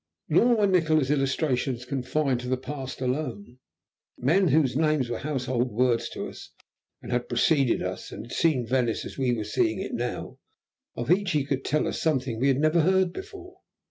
Nor were Nikola's illustrations confined to the past alone. Men whose names were household words to us had preceded us, and had seen Venice as we were seeing it now. Of each he could tell us something we had never heard before.